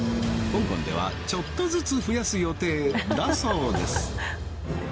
香港ではちょっとずつ増やす予定だそうです